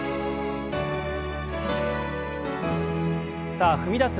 さあ踏み出す